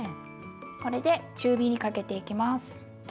これで中火にかけていきます。